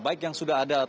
baik yang sudah ada